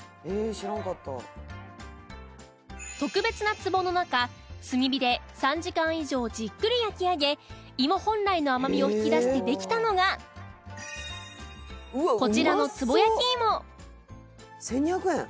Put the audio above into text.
知らんかった」特別なつぼの中炭火で３時間以上じっくり焼き上げ芋本来の甘みを引き出してできたのがこちらの「１２００円？